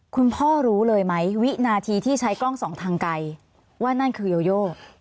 คุณพ่อรู้เลยไหมวินาทีที่ใช้กล้องสองทางไกลว่านั่นคือโยโย